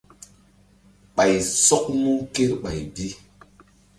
Ɓay sɔk mu kerɓay bi.